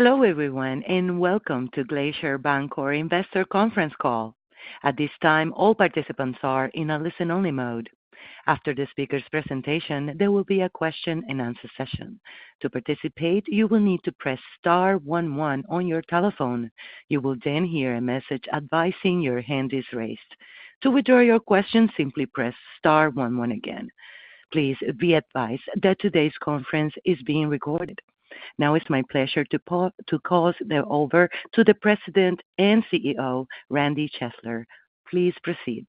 Hello, everyone, and welcome to Glacier Bancorp Investor Conference Call. At this time, all participants are in a listen-only mode. After the speaker's presentation, there will be a question-and-answer session. To participate, you will need to press star one one on your telephone. You will then hear a message advising your hand is raised. To withdraw your question, simply press star one one again. Please be advised that today's conference is being recorded. Now, it's my pleasure to call over to the President and CEO, Randy Chesler. Please proceed.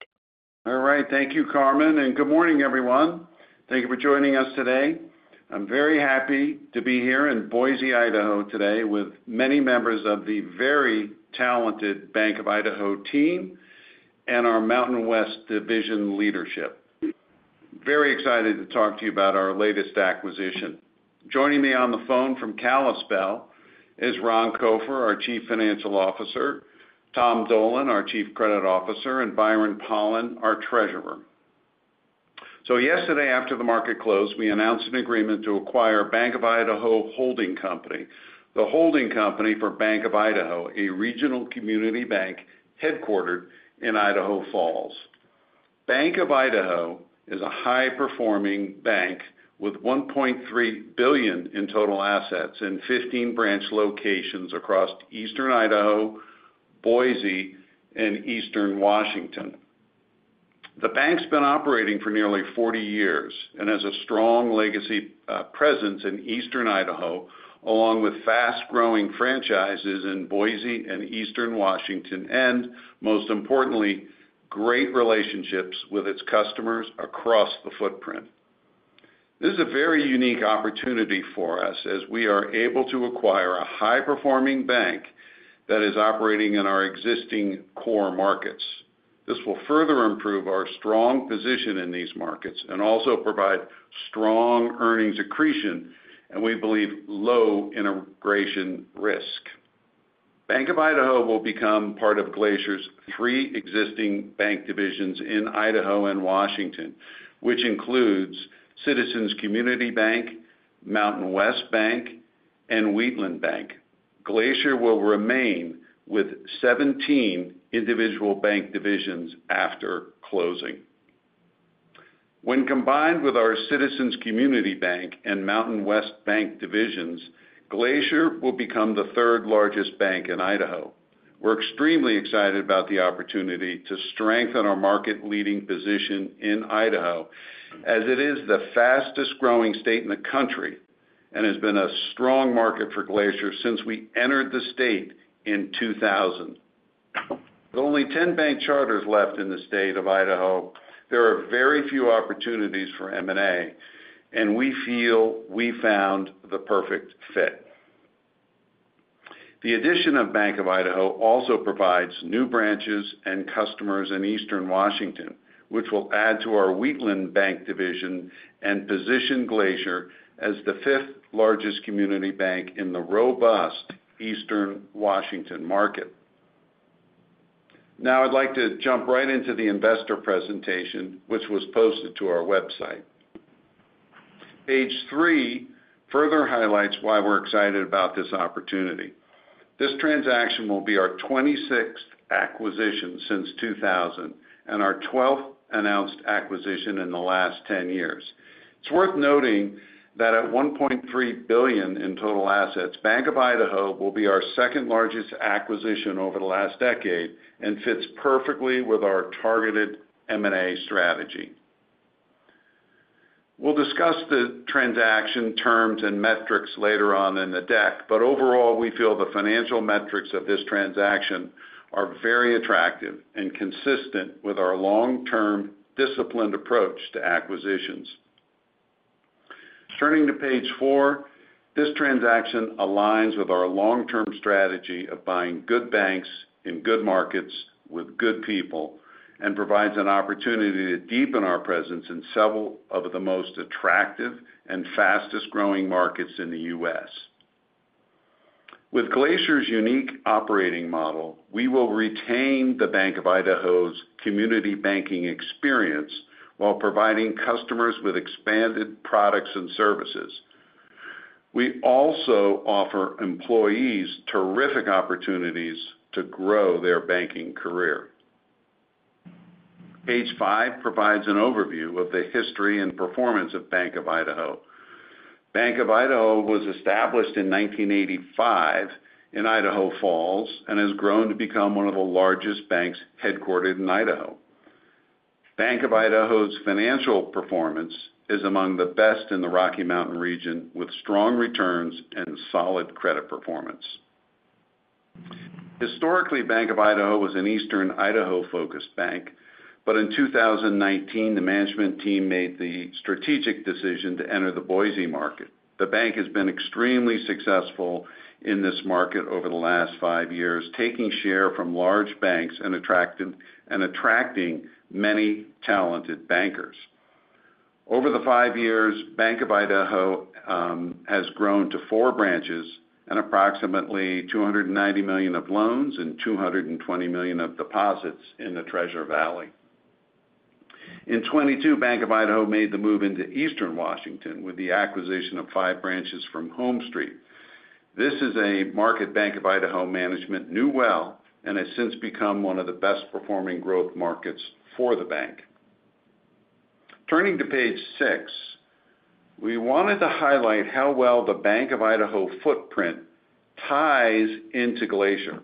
All right. Thank you, Carmen, and good morning, everyone. Thank you for joining us today. I'm very happy to be here in Boise, Idaho, today with many members of the very talented Bank of Idaho team and our Mountain West division leadership. Very excited to talk to you about our latest acquisition. Joining me on the phone from Kalispell is Ron Copher, our Chief Financial Officer, Tom Dolan, our Chief Credit Officer, and Byron Pollan, our Treasurer. Yesterday, after the market closed, we announced an agreement to acquire Bank of Idaho Holding Company, the holding company for Bank of Idaho, a regional community bank headquartered in Idaho Falls. Bank of Idaho is a high-performing bank with $1.3 billion in total assets and 15 branch locations across Eastern Idaho, Boise, and Eastern Washington. The bank's been operating for nearly 40 years and has a strong legacy presence in Eastern Idaho, along with fast-growing franchises in Boise and Eastern Washington, and, most importantly, great relationships with its customers across the footprint. This is a very unique opportunity for us, as we are able to acquire a high-performing bank that is operating in our existing core markets. This will further improve our strong position in these markets and also provide strong earnings accretion and, we believe, low integration risk. Bank of Idaho will become part of Glacier's three existing bank divisions in Idaho and Washington, which includes Citizens Community Bank, Mountain West Bank, and Wheatland Bank. Glacier will remain with 17 individual bank divisions after closing. When combined with our Citizens Community Bank and Mountain West Bank divisions, Glacier will become the third-largest bank in Idaho. We're extremely excited about the opportunity to strengthen our market-leading position in Idaho, as it is the fastest-growing state in the country and has been a strong market for Glacier since we entered the state in 2000. With only 10 bank charters left in the state of Idaho, there are very few opportunities for M&A, and we feel we found the perfect fit. The addition of Bank of Idaho also provides new branches and customers in Eastern Washington, which will add to our Wheatland Bank division and position Glacier as the fifth-largest community bank in the robust Eastern Washington market. Now, I'd like to jump right into the investor presentation, which was posted to our website. Page 3 further highlights why we're excited about this opportunity. This transaction will be our 26th acquisition since 2000 and our 12th announced acquisition in the last 10 years. It's worth noting that at $1.3 billion in total assets, Bank of Idaho will be our second-largest acquisition over the last decade and fits perfectly with our targeted M&A strategy. We'll discuss the transaction terms and metrics later on in the deck, but overall, we feel the financial metrics of this transaction are very attractive and consistent with our long-term disciplined approach to acquisitions. Turning to page 4, this transaction aligns with our long-term strategy of buying good banks in good markets with good people and provides an opportunity to deepen our presence in several of the most attractive and fastest-growing markets in the U.S. With Glacier's unique operating model, we will retain the Bank of Idaho's community banking experience while providing customers with expanded products and services. We also offer employees terrific opportunities to grow their banking career. Page 5 provides an overview of the history and performance of Bank of Idaho. Bank of Idaho was established in 1985 in Idaho Falls and has grown to become one of the largest banks headquartered in Idaho. Bank of Idaho's financial performance is among the best in the Rocky Mountain region, with strong returns and solid credit performance. Historically, Bank of Idaho was an Eastern Idaho-focused bank, but in 2019, the management team made the strategic decision to enter the Boise market. The bank has been extremely successful in this market over the last five years, taking share from large banks and attracting many talented bankers. Over the five years, Bank of Idaho has grown to four branches and approximately $290 million of loans and $220 million of deposits in the Treasure Valley. In 2022, Bank of Idaho made the move into Eastern Washington with the acquisition of five branches from HomeStreet. This is a market Bank of Idaho management knew well and has since become one of the best-performing growth markets for the bank. Turning to page 6, we wanted to highlight how well the Bank of Idaho footprint ties into Glacier.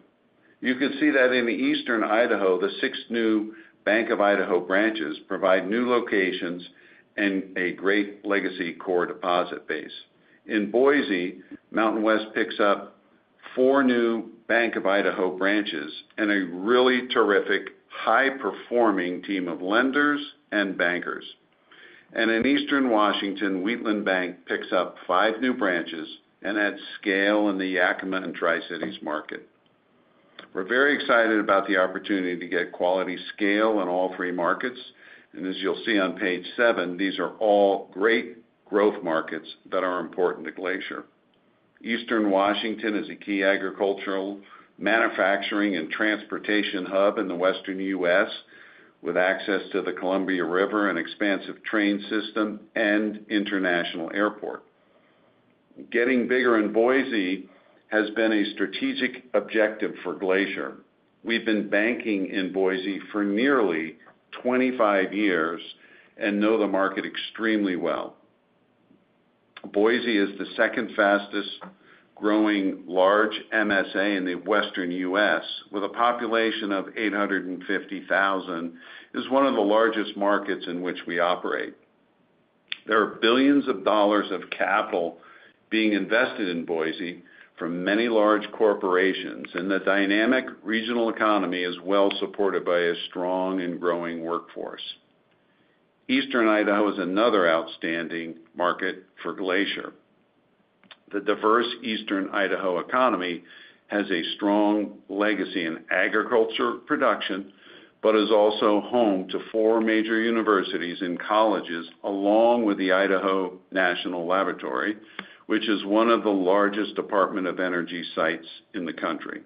You can see that in Eastern Idaho, the six new Bank of Idaho branches provide new locations and a great legacy core deposit base. In Boise, Mountain West picks up four new Bank of Idaho branches and a really terrific, high-performing team of lenders and bankers and in Eastern Washington, Wheatland Bank picks up five new branches and adds scale in the Yakima and Tri-Cities market. We're very excited about the opportunity to get quality scale in all three markets. As you'll see on page 7, these are all great growth markets that are important to Glacier. Eastern Washington is a key agricultural, manufacturing, and transportation hub in the Western U.S., with access to the Columbia River and expansive train system and international airport. Getting bigger in Boise has been a strategic objective for Glacier. We've been banking in Boise for nearly 25 years and know the market extremely well. Boise is the second-fastest-growing large MSA in the Western U.S., with a population of 850,000. It is one of the largest markets in which we operate. There are billions of dollars of capital being invested in Boise from many large corporations, and the dynamic regional economy is well supported by a strong and growing workforce. Eastern Idaho is another outstanding market for Glacier. The diverse Eastern Idaho economy has a strong legacy in agriculture production but is also home to four major universities and colleges, along with the Idaho National Laboratory, which is one of the largest Department of Energy sites in the country.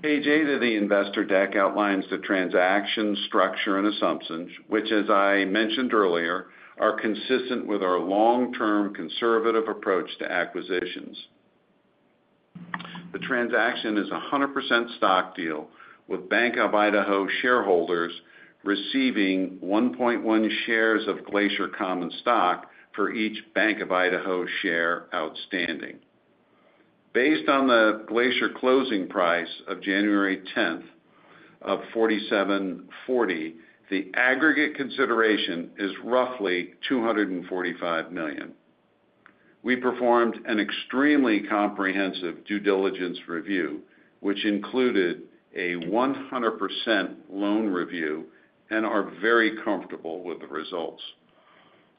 Page 8 of the investor deck outlines the transaction structure and assumptions, which, as I mentioned earlier, are consistent with our long-term conservative approach to acquisitions. The transaction is a 100% stock deal, with Bank of Idaho shareholders receiving 1.1 shares of Glacier Common Stock for each Bank of Idaho share outstanding. Based on the Glacier closing price of January 10th of $47.40, the aggregate consideration is roughly $245 million. We performed an extremely comprehensive due diligence review, which included a 100% loan review, and are very comfortable with the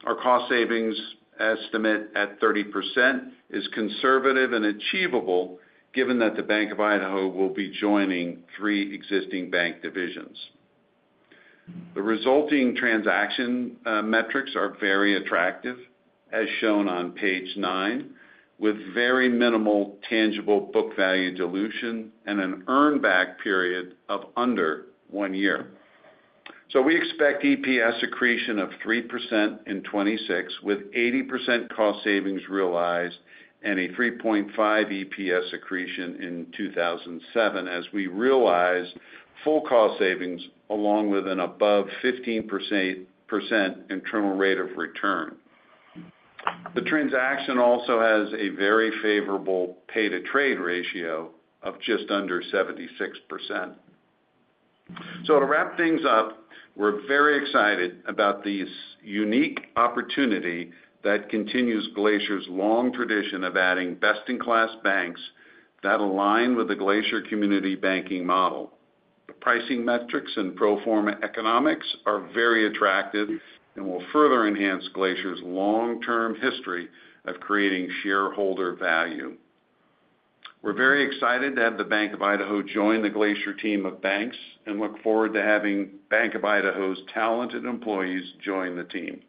results. Our cost savings estimate at 30% is conservative and achievable, given that the Bank of Idaho will be joining three existing bank divisions. The resulting transaction metrics are very attractive, as shown on page 9, with very minimal tangible book value dilution and an earnback period of under one year. So we expect EPS accretion of 3% in 2026, with 80% cost savings realized and a 3.5% EPS accretion in 2027, as we realize full cost savings along with an above 15% internal rate of return. The transaction also has a very favorable pay-to-trade ratio of just under 76%. So to wrap things up, we're very excited about this unique opportunity that continues Glacier's long tradition of adding best-in-class banks that align with the Glacier community banking model. The pricing metrics and pro forma economics are very attractive and will further enhance Glacier's long-term history of creating shareholder value. We're very excited to have the Bank of Idaho join the Glacier team of banks and look forward to having Bank of Idaho's talented employees join the team.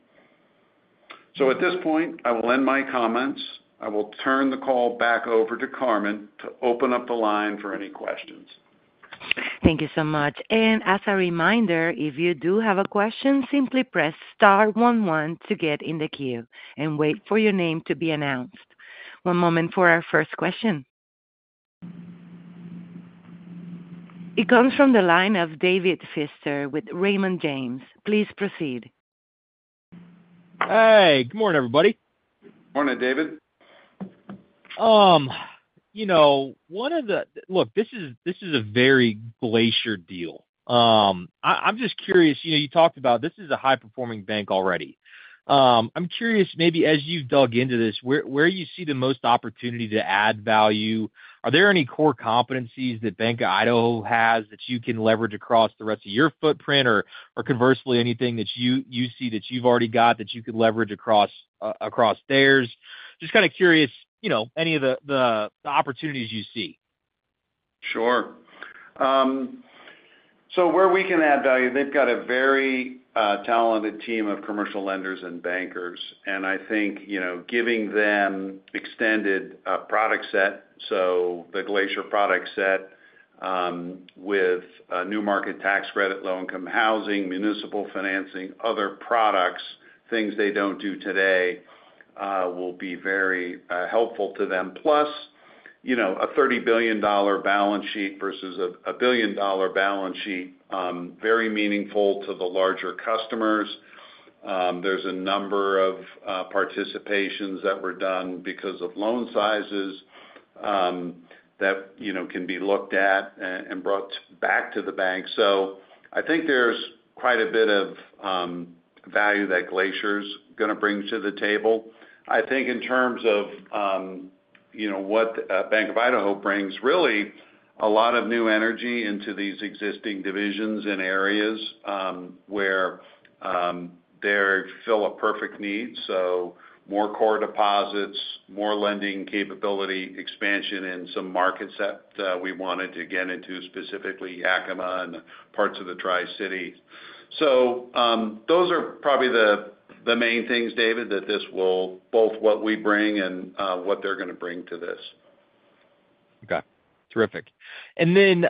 So at this point, I will end my comments. I will turn the call back over to Carmen to open up the line for any questions. Thank you so much, and as a reminder, if you do have a question, simply press star one one to get in the queue and wait for your name to be announced. One moment for our first question. It comes from the line of David Feaster with Raymond James. Please proceed. Hey. Good morning, everybody. Morning, David. You know, look, this is a very Glacier deal. I'm just curious. You talked about this is a high-performing bank already. I'm curious, maybe as you've dug into this, where you see the most opportunity to add value? Are there any core competencies that Bank of Idaho has that you can leverage across the rest of your footprint, or conversely, anything that you see that you've already got that you could leverage across theirs? Just kind of curious, you know, any of the opportunities you see. Sure, so where we can add value, they've got a very talented team of commercial lenders and bankers, and I think giving them an extended product set, so the Glacier product set with New Markets Tax Credit, low-income housing, municipal financing, other products, things they don't do today, will be very helpful to them. Plus, you know, a $30 billion balance sheet versus a $1 billion balance sheet, very meaningful to the larger customers. There's a number of participations that were done because of loan sizes that can be looked at and brought back to the bank, so I think there's quite a bit of value that Glacier's going to bring to the table. I think in terms of what Bank of Idaho brings, really a lot of new energy into these existing divisions and areas where they fill a perfect need. So more core deposits, more lending capability, expansion in some markets that we wanted to get into, specifically Yakima and parts of the Tri-Cities. So those are probably the main things, David, that this will, both what we bring and what they're going to bring to this. Okay. Terrific. And then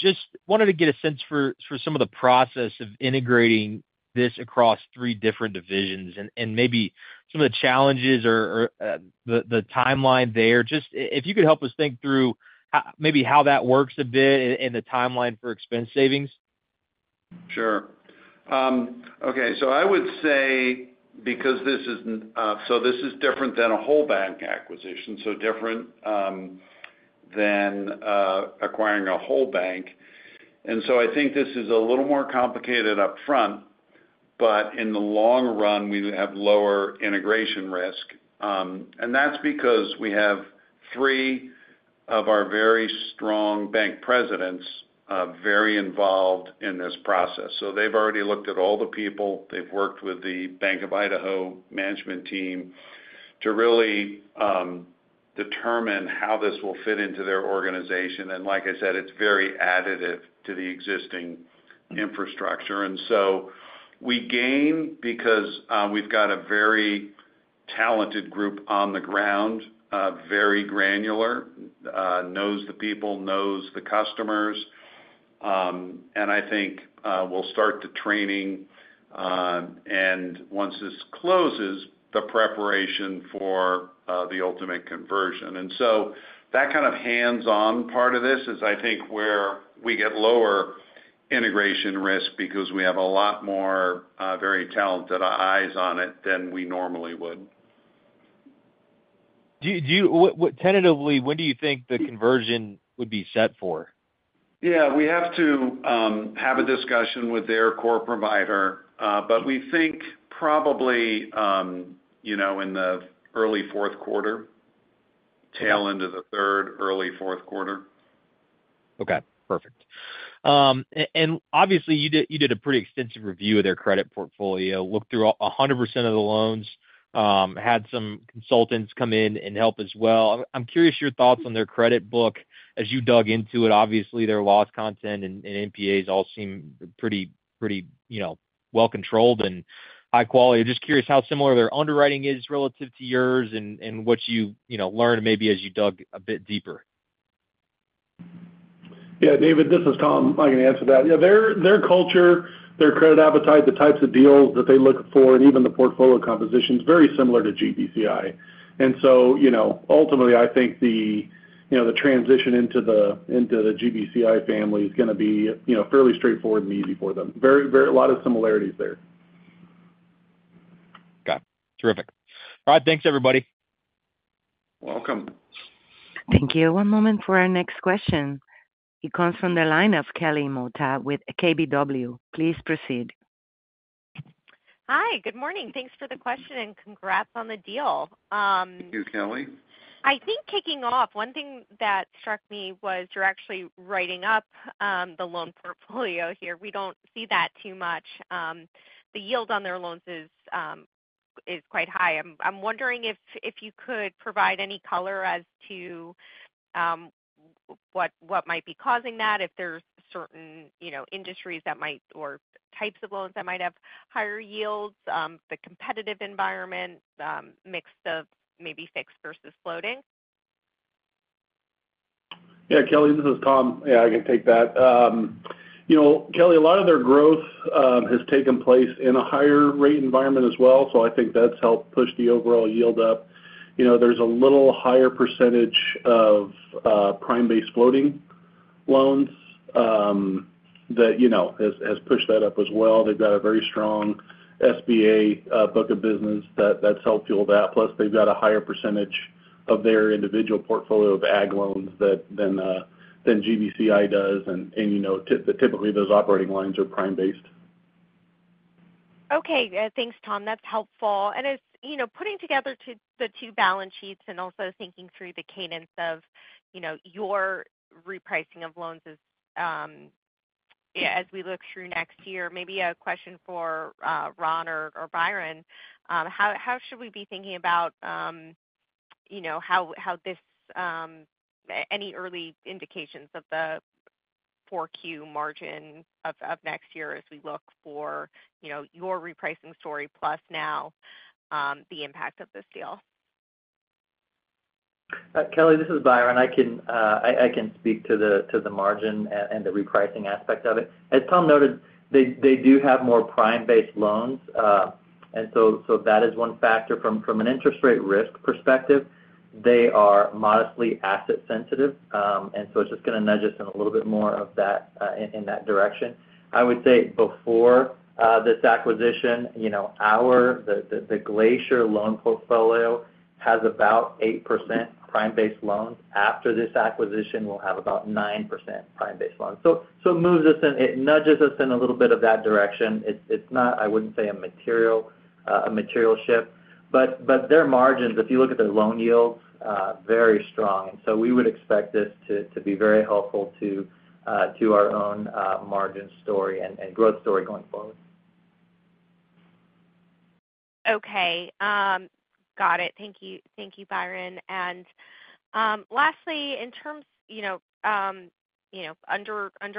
just wanted to get a sense for some of the process of integrating this across three different divisions and maybe some of the challenges or the timeline there. Just if you could help us think through maybe how that works a bit and the timeline for expense savings. Sure. Okay. So I would say, because this is different than a whole bank acquisition, so different than acquiring a whole bank. I think this is a little more complicated upfront, but in the long run, we have lower integration risk. That's because we have three of our very strong bank presidents very involved in this process. They've already looked at all the people. They've worked with the Bank of Idaho management team to really determine how this will fit into their organization. Like I said, it's very additive to the existing infrastructure. We gain because we've got a very talented group on the ground, very granular, knows the people, knows the customers. I think we'll start the training, and once this closes, the preparation for the ultimate conversion. And so that kind of hands-on part of this is, I think, where we get lower integration risk because we have a lot more very talented eyes on it than we normally would. Tentatively, when do you think the conversion would be set for? Yeah. We have to have a discussion with their core provider, but we think probably in the early fourth quarter, tail end of the third, early fourth quarter. Okay. Perfect. And obviously, you did a pretty extensive review of their credit portfolio, looked through 100% of the loans, had some consultants come in and help as well. I'm curious your thoughts on their credit book as you dug into it. Obviously, their loss content and NPAs all seem pretty well-controlled and high quality. I'm just curious how similar their underwriting is relative to yours and what you learned maybe as you dug a bit deeper. Yeah. David, this is Tom. I can answer that. Yeah. Their culture, their credit appetite, the types of deals that they look for, and even the portfolio composition is very similar to GBCI. And so ultimately, I think the transition into the GBCI family is going to be fairly straightforward and easy for them. A lot of similarities there. Got it. Terrific. All right. Thanks, everybody. Welcome. Thank you. One moment for our next question. It comes from the line of Kelly Motta with KBW. Please proceed. Hi. Good morning. Thanks for the question and congrats on the deal. Thank you, Kelly. I think kicking off, one thing that struck me was you're actually writing up the loan portfolio here. We don't see that too much. The yield on their loans is quite high. I'm wondering if you could provide any color as to what might be causing that, if there's certain industries or types of loans that might have higher yields, the competitive environment, mix of maybe fixed versus floating. Yeah. Kelly, this is Tom. Yeah. I can take that. Kelly, a lot of their growth has taken place in a higher rate environment as well. So I think that's helped push the overall yield up. There's a little higher percentage of prime-based floating loans that has pushed that up as well. They've got a very strong SBA book of business that's helped fuel that. Plus, they've got a higher percentage of their individual portfolio of ag loans than GBCI does, and typically, those operating lines are prime-based. Okay. Thanks, Tom. That's helpful, and putting together the two balance sheets and also thinking through the cadence of your repricing of loans as we look through next year, maybe a question for Ron or Byron. How should we be thinking about how this, any early indications of the forward margin of next year as we look for your repricing story, plus now the impact of this deal? Kelly, this is Byron. I can speak to the margin and the repricing aspect of it. As Tom noted, they do have more prime-based loans, and so that is one factor. From an interest rate risk perspective, they are modestly asset-sensitive, and so it's just going to nudge us in a little bit more of that in that direction. I would say before this acquisition, the Glacier loan portfolio has about 8% prime-based loans. After this acquisition, we'll have about 9% prime-based loans, so it moves us in, it nudges us in a little bit of that direction. It's not, I wouldn't say, a material shift, but their margins, if you look at their loan yields, are very strong, and so we would expect this to be very helpful to our own margin story and growth story going forward. Okay. Got it. Thank you, Byron. And lastly, in terms under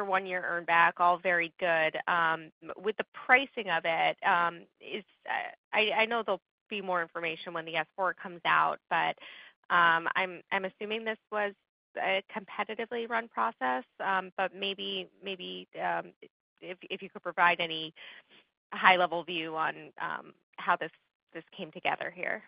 one-year earnback, all very good. With the pricing of it, I know there'll be more information when the S-4 comes out, but I'm assuming this was a competitively run process. But maybe if you could provide any high-level view on how this came together here.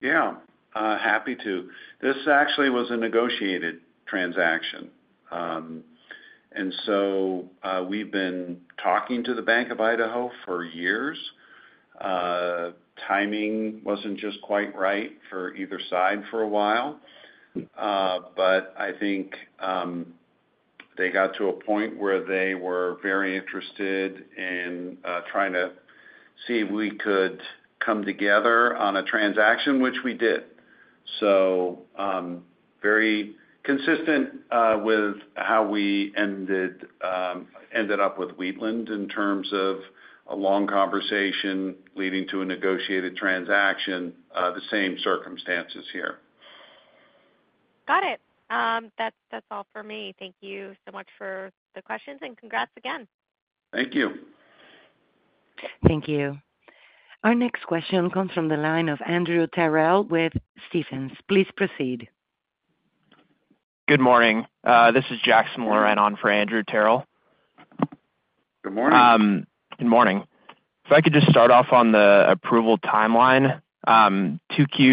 Yeah. Happy to. This actually was a negotiated transaction. And so we've been talking to the Bank of Idaho for years. Timing wasn't just quite right for either side for a while. But I think they got to a point where they were very interested in trying to see if we could come together on a transaction, which we did. So very consistent with how we ended up with Wheatland in terms of a long conversation leading to a negotiated transaction, the same circumstances here. Got it. That's all for me. Thank you so much for the questions and congrats again. Thank you. Thank you. Our next question comes from the line of Andrew Terrell with Stephens. Please proceed. Good morning. This is Jackson Laurent on for Andrew Terrell. Good morning. Good morning. If I could just start off on the approval timeline. 2Q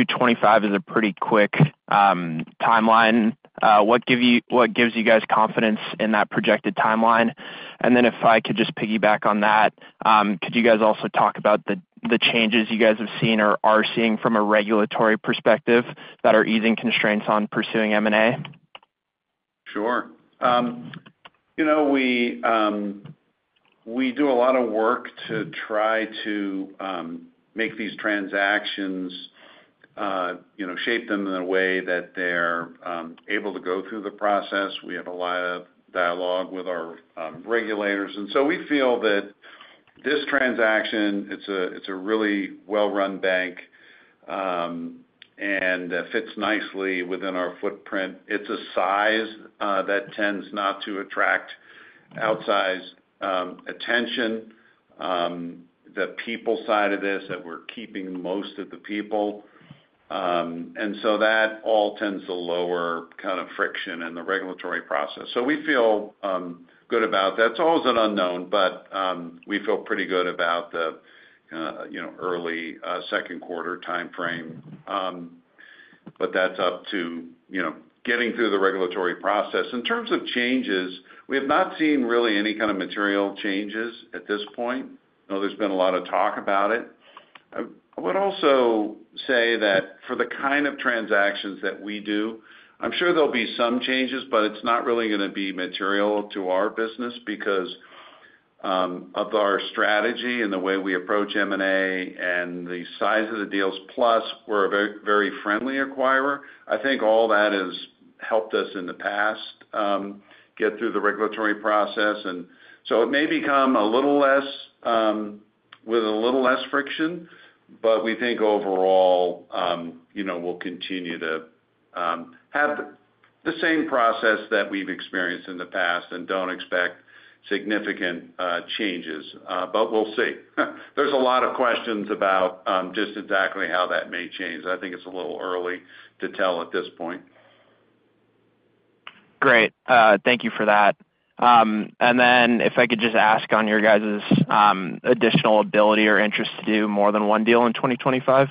2025 is a pretty quick timeline. What gives you guys confidence in that projected timeline? And then if I could just piggyback on that, could you guys also talk about the changes you guys have seen or are seeing from a regulatory perspective that are easing constraints on pursuing M&A? Sure. We do a lot of work to try to make these transactions, shape them in a way that they're able to go through the process. We have a lot of dialogue with our regulators. And so we feel that this transaction, it's a really well-run bank and fits nicely within our footprint. It's a size that tends not to attract outsized attention. The people side of this, that we're keeping most of the people. And so that all tends to lower kind of friction in the regulatory process. So we feel good about that. It's always an unknown, but we feel pretty good about the early second quarter timeframe. But that's up to getting through the regulatory process. In terms of changes, we have not seen really any kind of material changes at this point. There's been a lot of talk about it. I would also say that for the kind of transactions that we do, I'm sure there'll be some changes, but it's not really going to be material to our business because of our strategy and the way we approach M&A and the size of the deals. Plus, we're a very friendly acquirer. I think all that has helped us in the past get through the regulatory process. And so it may become a little less with a little less friction, but we think overall we'll continue to have the same process that we've experienced in the past and don't expect significant changes. But we'll see. There's a lot of questions about just exactly how that may change. I think it's a little early to tell at this point. Great. Thank you for that, and then if I could just ask on your guys' additional ability or interest to do more than one deal in 2025?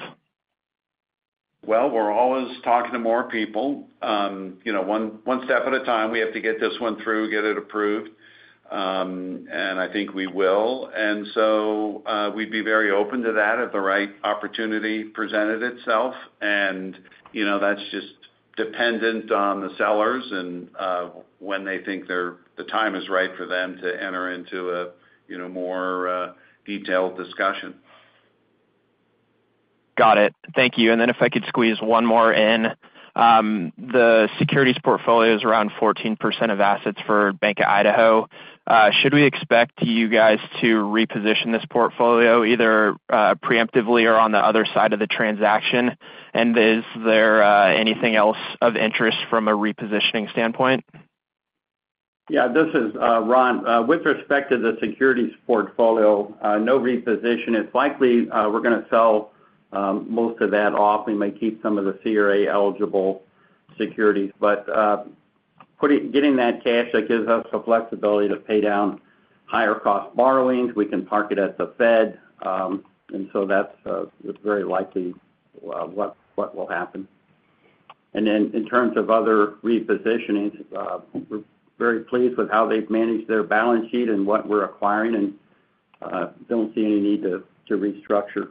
Well, we're always talking to more people. One step at a time. We have to get this one through, get it approved. And I think we will. And so we'd be very open to that if the right opportunity presented itself. And that's just dependent on the sellers and when they think the time is right for them to enter into a more detailed discussion. Got it. Thank you, and then if I could squeeze one more in. The securities portfolio is around 14% of assets for Bank of Idaho. Should we expect you guys to reposition this portfolio either preemptively or on the other side of the transaction? And is there anything else of interest from a repositioning standpoint? Yeah. This is Ron. With respect to the securities portfolio, no reposition. It's likely we're going to sell most of that off. We may keep some of the CRA-eligible securities. But getting that cash, that gives us the flexibility to pay down higher-cost borrowings. We can park it at the Fed. And so that's very likely what will happen. And then in terms of other repositionings, we're very pleased with how they've managed their balance sheet and what we're acquiring and don't see any need to restructure.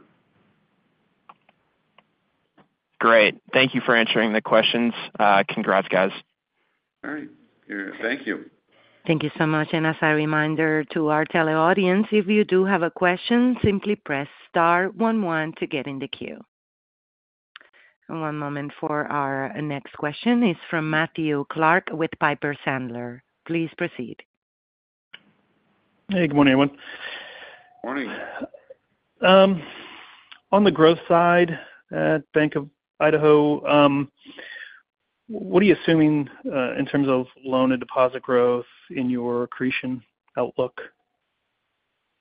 Great. Thank you for answering the questions. Congrats, guys. All right. Thank you. Thank you so much. And as a reminder to our Tele audience, if you do have a question, simply press star one one to get in the queue. And one moment for our next question is from Matthew Clark with Piper Sandler. Please proceed. Hey. Good morning, everyone. Morning. On the growth side at Bank of Idaho, what are you assuming in terms of loan and deposit growth in your accretion outlook?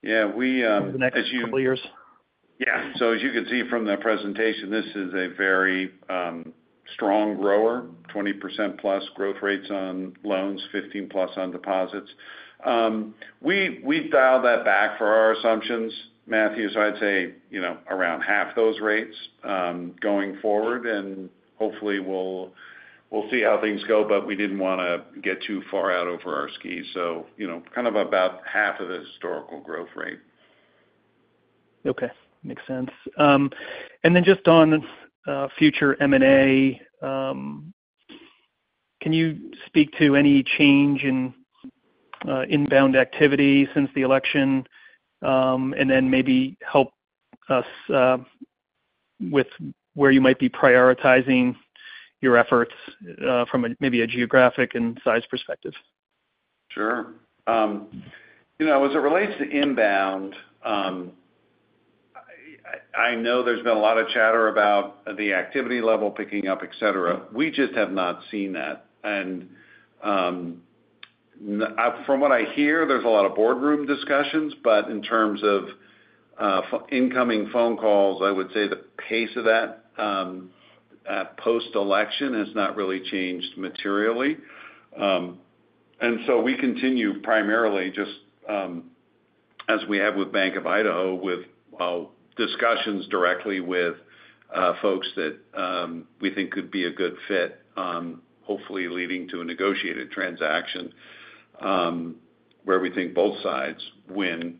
Yeah. We. Over the next couple of years? Yeah. So as you can see from the presentation, this is a very strong grower, 20% plus growth rates on loans, 15% plus on deposits. We dialed that back for our assumptions. Matthew, so I'd say around half those rates going forward. And hopefully, we'll see how things go. But we didn't want to get too far out over our skis. So kind of about half of the historical growth rate. Okay. Makes sense. And then just on future M&A, can you speak to any change in inbound activity since the election and then maybe help us with where you might be prioritizing your efforts from maybe a geographic and size perspective? Sure. As it relates to inbound, I know there's been a lot of chatter about the activity level picking up, etc. We just have not seen that. And from what I hear, there's a lot of boardroom discussions. But in terms of incoming phone calls, I would say the pace of that post-election has not really changed materially. And so we continue primarily just as we have with Bank of Idaho with discussions directly with folks that we think could be a good fit, hopefully leading to a negotiated transaction where we think both sides win.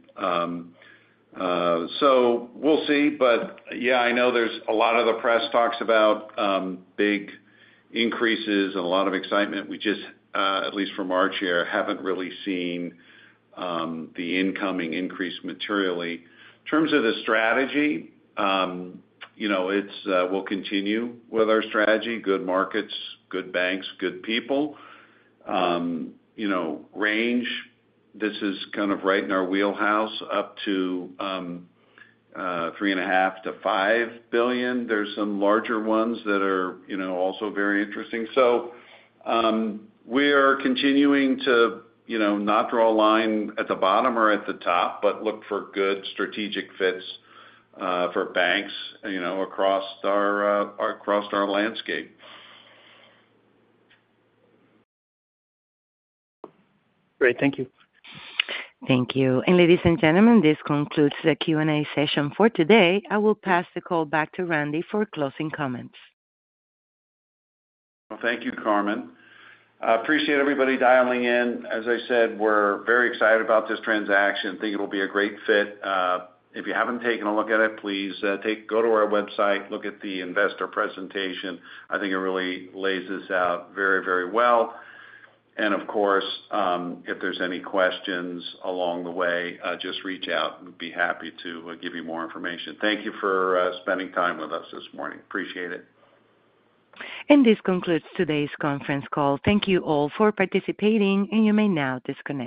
So we'll see. But yeah, I know there's a lot of the press talks about big increases and a lot of excitement. We just, at least for March here, haven't really seen the incoming increase materially. In terms of the strategy, we'll continue with our strategy. Good markets, good banks, good people. range, this is kind of right in our wheelhouse up to $3.5 billion-$5 billion. There's some larger ones that are also very interesting. So we are continuing to not draw a line at the bottom or at the top, but look for good strategic fits for banks across our landscape. Great. Thank you. Thank you. And ladies and gentlemen, this concludes the Q&A session for today. I will pass the call back to Randy for closing comments. Thank you, Carmen. Appreciate everybody dialing in. As I said, we're very excited about this transaction. I think it will be a great fit. If you haven't taken a look at it, please go to our website, look at the investor presentation. I think it really lays this out very, very well. Of course, if there's any questions along the way, just reach out. We'd be happy to give you more information. Thank you for spending time with us this morning. Appreciate it. This concludes today's conference call. Thank you all for participating, and you may now disconnect.